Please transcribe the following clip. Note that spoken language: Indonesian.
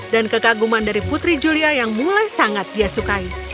dan kekaguman dari putri julia yang mulai sangat dia sukai